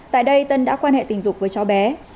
tại đây tân đã quan hệ tình dục với cháu bé